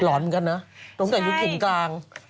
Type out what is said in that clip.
หลอนกันนะตั้งแต่ยุคถิ่นกลาง